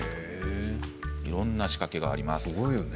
いろんな仕掛けがあります。